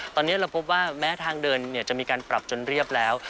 ตอนนี้เราพบว่าแม้ทางเดินจะมีการปรับจนเรียบแล้ว